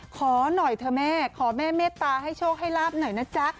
ขอหน่อยเถอะแม่ขอแม่เมตตาให้โชคให้ลาบหน่อยนะจ๊ะ